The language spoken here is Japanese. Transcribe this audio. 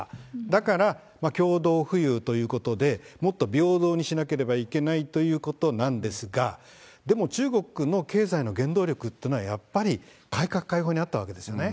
だから、共同富裕ということで、もっと平等にしなければいけないということなんですが、でも中国の経済の原動力っていうのは、やっぱり改革開放にあったわけですよね。